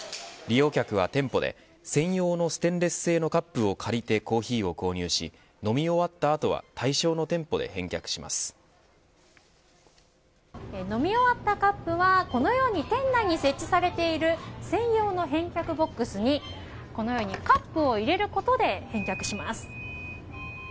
利用客は店舗で専用のステンレス製のカップを借りてコーヒーを購入し飲み終わった後は飲み終わったカップはこのように店内に設置されている専用の返却ボックスにこのようにカップを入れることで返却します。